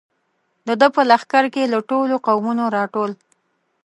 د ده په لښکر کې له ټولو قومونو را ټول.